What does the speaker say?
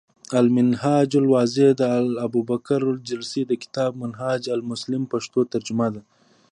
المنهاج الواضح، د الابوبکرالجريسي د کتاب “منهاج المسلم ” پښتو ترجمه ده ۔